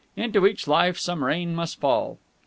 Into each life some rain must fall.